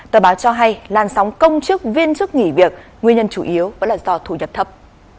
tờ báo cho hay làn sóng công chức viên chức nghỉ việc nguyên nhân chủ yếu vẫn là do thu nhập thấp